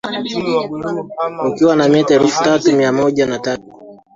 ukiwa na mita elfu tatu mia moja na tatu